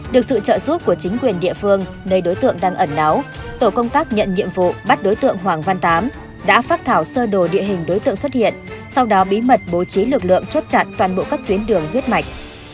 được sự trợ giúp của chính quyền địa phương nơi đối tượng đang ẩn náu tổ công tác nhận nhiệm vụ bắt đối tượng hoàng văn tám đã phát thảo sơ đồ địa hình đối tượng xuất hiện sau đó bí mật bố trí lực lượng chốt chặn toàn bộ các tuyến đường huyết mạch